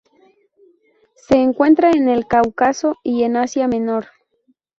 Se encuentra en el Cáucaso y en Asia Menor.